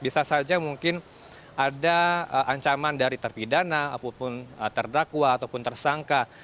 bisa saja mungkin ada ancaman dari terpidana ataupun terdakwa ataupun tersangka